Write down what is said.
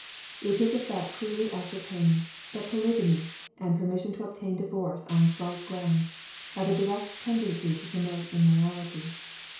It is a fact clearly ascertained, that polygamy, and permission to obtain divorce on slight grounds, have a direct tendency to promote immorality.